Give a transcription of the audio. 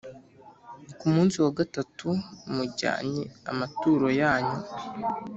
Ku munsi wa gatatu mujyane amaturo yanyu.